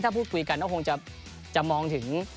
ถ้าพูดคุยกันก็คงจะมองถึง